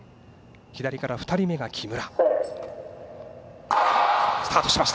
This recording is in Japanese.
左から２人目が木村。